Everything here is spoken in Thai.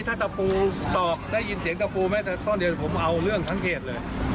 ถ้าตะปูตอกได้ยินเสียงตะปูแม้แต่ต้นเดียวผมเอาเรื่องทั้งเขตเลย